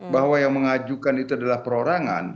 bahwa yang mengajukan itu adalah perorangan